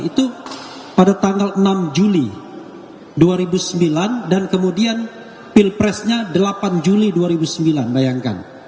itu pada tanggal enam juli dua ribu sembilan dan kemudian pilpresnya delapan juli dua ribu sembilan bayangkan